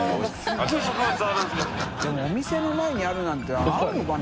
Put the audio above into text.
任お店の前にあるなんてあるのかな？